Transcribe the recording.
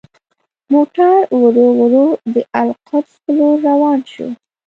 موټر ورو ورو د القدس په لور روان شو.